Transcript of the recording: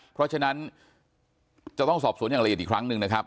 เพราะฉะนั้นจะต้องสอบสวนอย่างละเอียดอีกครั้งหนึ่งนะครับ